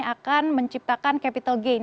akan menciptakan capital gain